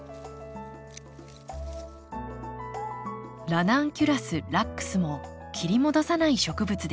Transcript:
ラナンキュラスラックスも切り戻さない植物です。